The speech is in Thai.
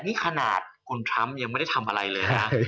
นี้ขนาดคุณติดตามตลอดจตอนนี้ก็ยังไม่ได้ทำอะไรเลยนะ